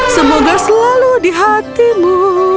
semoga selalu di hatimu